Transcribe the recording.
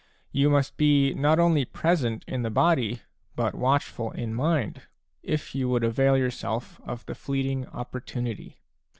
You must be not only present in the body, but watchful in mind, if you would avail your self of the fleeting opportunity.